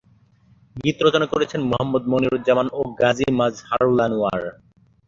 গীত রচনা করেছেন মোহাম্মদ মনিরুজ্জামান ও গাজী মাজহারুল আনোয়ার।